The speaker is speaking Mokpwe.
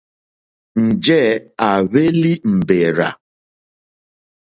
Njɛ̂ à hwélí mbèrzà.